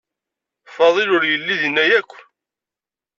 Faḍil ur yelli dina akk.